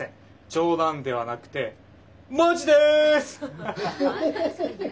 冗談ではなくてマジです！